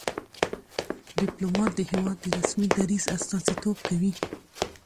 ډيپلومات د هېواد د رسمي دریځ استازیتوب کوي.